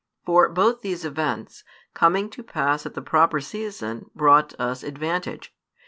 For both these events, coming to pass at the proper season, brought us advantage.